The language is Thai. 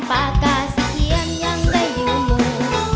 ประกาศเขียนยังได้อยู่หมู่